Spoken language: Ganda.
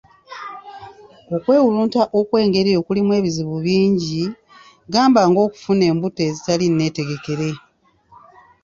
Okwewulunta okwengeri eyo kulimu ebizibu bingi ,gamba ng'okufuna embuto ezitali nneetegekere.